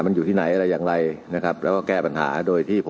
มีศาสตราจารย์พิเศษวิชามหาคุณเป็นประเทศด้านกรวมความวิทยาลัยธรรม